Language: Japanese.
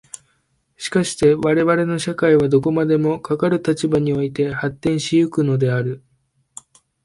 しかして我々の社会はどこまでもかかる立場において発展し行くのである。